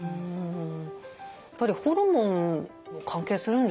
やっぱりホルモンも関係するんですかね？